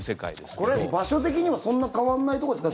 これ、場所的にもそんな変わらないところですか？